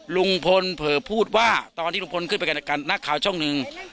ลุงพลเผลอพูดว่าตอนที่ลุงพลขึ้นไปนักข่าวช่องหนึ่ง